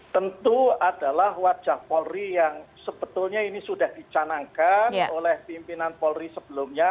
tentu adalah wajah polri yang sebetulnya ini sudah dicanangkan oleh pimpinan polri sebelumnya